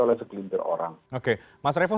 oleh segelintir orang oke mas revo